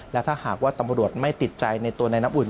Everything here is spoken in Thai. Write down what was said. และถ้าหากว่าตำรวจไม่ติดใจในตัวในน้ำอุ่น